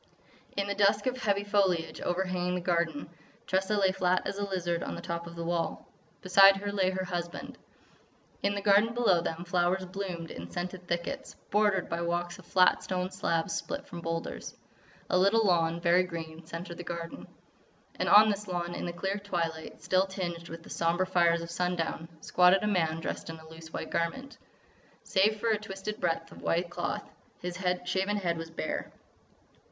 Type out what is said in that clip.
In the dusk of heavy foliage overhanging the garden, Tressa lay flat as a lizard on the top of the wall. Beside her lay her husband. In the garden below them flowers bloomed in scented thickets, bordered by walks of flat stone slabs split from boulders. A little lawn, very green, centred the garden. And on this lawn, in the clear twilight still tinged with the sombre fires of sundown, squatted a man dressed in a loose white garment. Save for a twisted breadth of white cloth, his shaven head was bare.